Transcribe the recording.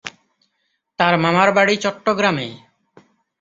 তার মামার বাড়ি চট্টগ্রামে।